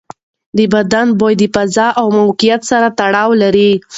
د بدن بوی د فضا او موقعیت سره تړاو لري.